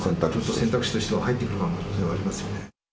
選択肢として入ってくる可能性はありますよね。